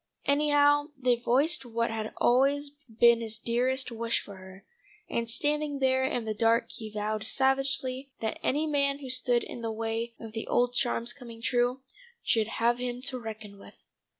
Anyhow they voiced what had always been his dearest wish for her, and standing there in the dark he vowed savagely that any man who stood in the way of the old charm's coming true, should have him to reckon with.